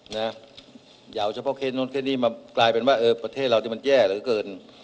อย่าเอาเฉพาะเคสนู้นเคสนี้มากลายเป็นว่าเออประเทศเรานี่มันแย่เหลือเกิน